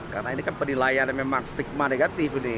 karena ini kan penilaian yang memang stigma negatif